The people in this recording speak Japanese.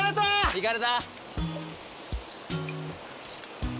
いかれた！